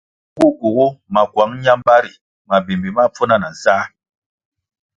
Nğu kuğu makuang ñambari mabimbi máh pfuna na nsáh.